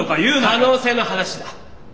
可能性の話だ。